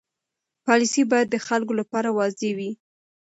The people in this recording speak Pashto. پالیسي باید د خلکو لپاره واضح وي.